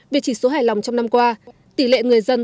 về chỉ số hài lòng trong năm qua tỷ lệ người dân